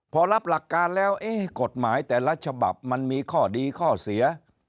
พอรับหลักการแล้วกฎหมายแต่ละฉบับมันมีข้อดีข้อเสีย